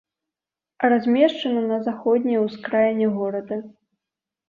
Размешчана на заходняй ускраіне горада.